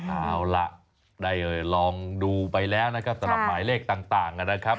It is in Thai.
เอาล่ะได้ลองดูไปแล้วนะครับสำหรับหมายเลขต่างนะครับ